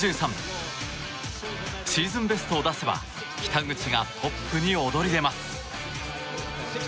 シーズンベストを出せば北口がトップに躍り出ます。